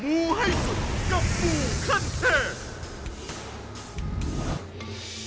ูให้สุดกับงูขั้นเทพ